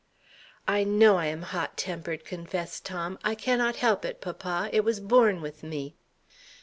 "I know I am hot tempered," confessed Tom. "I cannot help it, papa; it was born with me."